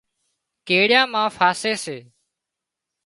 ڪڙيا مان ڦاسي سي